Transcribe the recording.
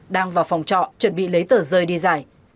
đang vào phòng trọ chuẩn bị lấy tờ rơi đi giải